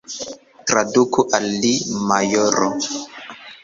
Traduku al li, majoro!